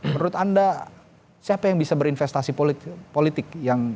menurut anda siapa yang bisa berinvestasi politik